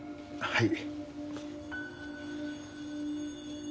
はい。